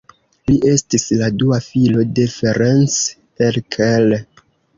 Li estis la dua filo de Ferenc Erkel.